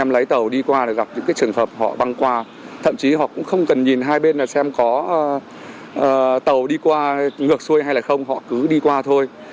năm lấy tàu đi qua là gặp những cái trường hợp họ băng qua thậm chí họ cũng không cần nhìn hai bên là xem có tàu đi qua ngược xuôi hay là không họ cứ đi qua thôi